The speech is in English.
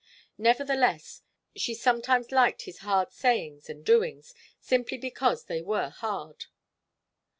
Nevertheless, she sometimes liked his hard sayings and doings, simply because they were hard.